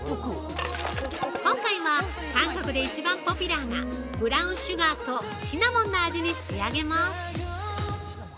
今回は韓国で一番ポピュラーなブラウンシュガーとシナモンの味に仕上げます。